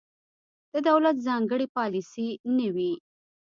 د دولت ځانګړې پالیسي نه وي.